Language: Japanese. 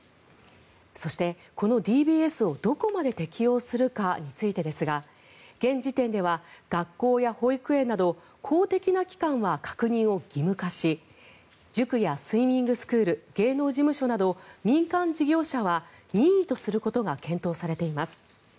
そして、このＤＢＳをどこまで適用するかについてですが現時点では学校や保育園など公的な機関は確認を義務化し塾やスイミングスクール芸能事務所など民間事業者は任意とすることが検討されています。